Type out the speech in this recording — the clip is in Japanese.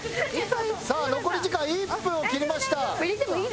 さあ残り時間１分を切りました。